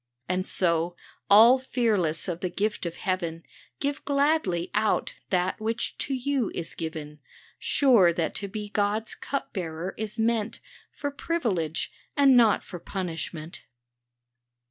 And so, all fearless of the gift of heaven, Give gladly out that which to you is given, Sure that to be God's cup bearer is meant For privilege, and not for punishment.